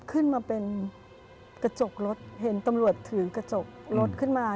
ขึ้นมาเป็นกระจกรถเห็นตำรวจถือกระจกรถขึ้นมา